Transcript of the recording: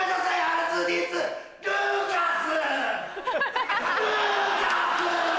ルーカス！